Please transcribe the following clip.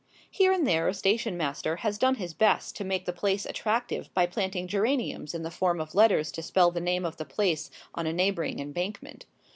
Here and there a station master has done his best to make the place attractive by planting geraniums in the form of letters to spell the name of the place on a neighbouring embankment.